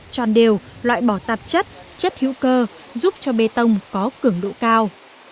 tròn đều loại bỏ tạp chất chất hữu cơ giúp cho bê tông có cường độ cao